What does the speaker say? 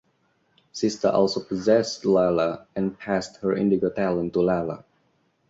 Sista also possessed Lala and passed her indigo talent to Lala.